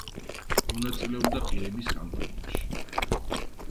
მონაწილეობდა ყირიმის კამპანიაში.